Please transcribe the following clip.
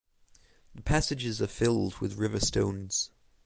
The passages are filled with river stones.